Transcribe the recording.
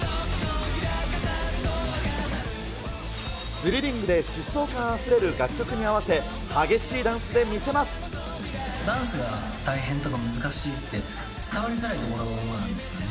スリリングで疾走感あふれる楽曲に合わせ、ダンスが大変とか、難しいって、伝わりづらいところがあるんですね。